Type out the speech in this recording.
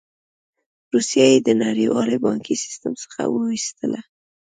روسیه یې د نړیوال بانکي سیستم څخه وویستله.